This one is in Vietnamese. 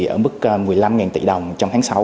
ở mức một mươi năm tỷ đồng trong tháng sáu